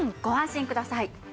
ご安心ください。